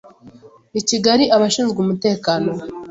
I Kigali, abashinzwe umutekano